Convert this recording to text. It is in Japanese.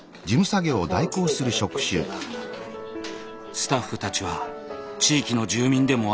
スタッフたちは地域の住民でもある。